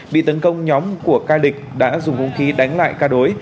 bị tấn công nhóm của ca địch đã dùng hung khí đánh lại ca đối